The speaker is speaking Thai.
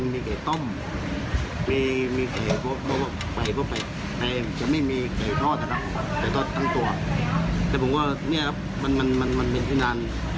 มีไก่ต้มมีไก่ทอดทั้งตัวแต่ผมว่าเนี่ยครับมันเป็นที่นาน